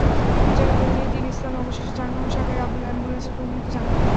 বিভিন্ন জায়গায় খোঁজ নিয়ে দীন ইসলাম অবশেষে যানবাহন শাখায় অ্যাম্বুলেন্সের খোঁজ নিতে যান।